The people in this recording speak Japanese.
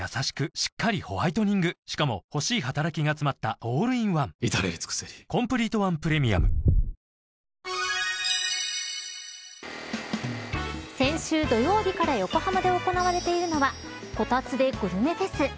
しっかりホワイトニングしかも欲しい働きがつまったオールインワン至れり尽せり先週土曜日から横浜で行われているのはこたつｄｅグルメフェス。